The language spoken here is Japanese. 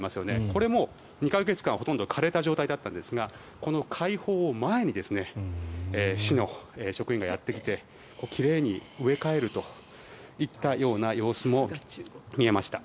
これも２か月間ほとんど枯れた状態だったんですがこの解放を前に市の職員がやってきて奇麗に植え替えるといったような様子も見えました。